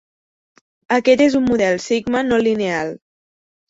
Aquest és un model sigma no lineal.